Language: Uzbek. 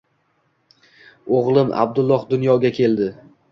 Oʻgʻlim Abdulloh dunyoga keldi.